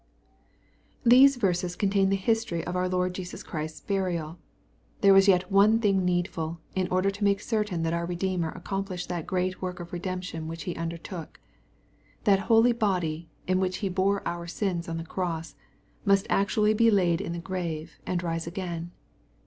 These verses contain the history of our Lord Jesus Christ's burial. There was yet one thing needful, in order to make it certain that our Kedeemer accomplished that great work of redemption which He undertook That holy body, in which He bore our sins on the cross, must actually be laid in the grave, and rise again.